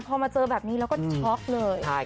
พอมาเจอแบบนี้แล้วก็ช็อกเลย